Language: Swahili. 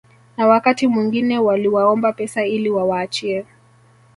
na wakati mwingine waliwaomba pesa ili wawaachie